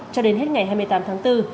cho đến hết ngày hai mươi tám tháng bốn